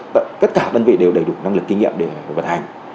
tất cả đơn vị đều đầy đủ năng lực kinh nghiệm để vận hành